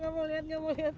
gak mau liat gak mau liat